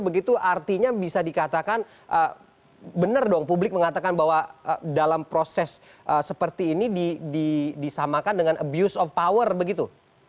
begitu artinya bisa dikatakan benar dong publik mengatakan bahwa dalam proses seperti ini disamakan dengan abuse of power begitu